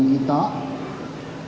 terus melakukan ya perhubungan